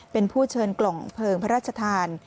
เป็นผู้เชิญกล่องเพลิงพระราชทาน